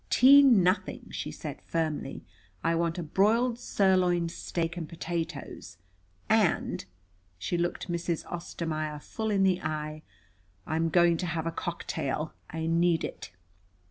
"Tea nothing!" she said firmly. "I want a broiled sirloin steak and potatoes. And" she looked Mrs. Ostermaier full in the eye "I am going to have a cocktail. I need it."